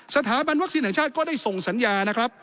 สถาบันวัคซีนแห่งชาติก็ได้ส่งสัญญานะครับ